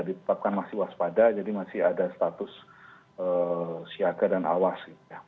ditetapkan masih waspada jadi masih ada status siaga dan awas